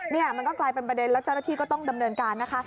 นี่มันก็กลายเป็นประเด็นแล้วเจ้าหน้าที่ก็ต้องดำเนินการนะคะ